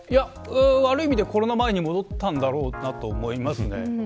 悪い意味でコロナ前に戻ったんだろうなと思います。